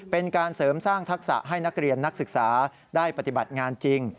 เป็นการเสริมสร้างทักษะให้นักเรียนนักศึกษาได้ปฏิบัติงานจริง